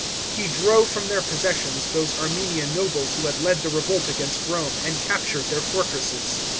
He drove from their possessions those Armenian nobles who had led the revolt against Rome, and captured their fortresses.